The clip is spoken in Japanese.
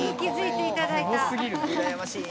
うらやましい。